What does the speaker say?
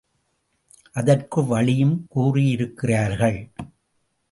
அதற்கு வழியும் கூறியிருக்கிறார்கள்.